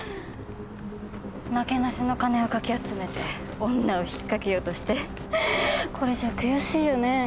なけなしの金をかき集めて女を引っかけようとしてこれじゃあ悔しいよねえ。